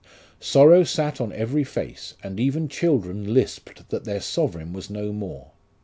' Sorrow sate upon every face, and even children lisped that their Sovereign was no more.